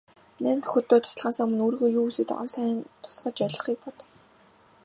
Найз нөхдөдөө туслахаасаа өмнө өөрийнхөө юу хүсээд байгааг сайн тусгаж ойлгохыг бод.